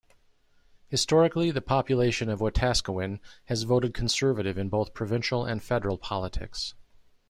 Historically the population of Wetaskiwin has voted Conservative in both provincial and federal politics.